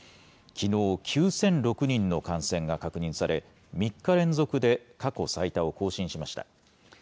きのう、９００６人の感染が確認され、３日連続で過去最多を更新しました。